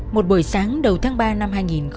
một buổi sáng đầu tháng ba năm hai nghìn một mươi bảy